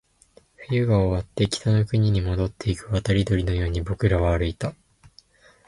冬が終わって、北の国に戻っていく渡り鳥のように僕らは歩いた